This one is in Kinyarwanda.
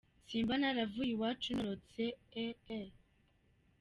Simba naravuye iwacu ntorotse ehh ehhh.